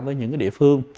với những địa phương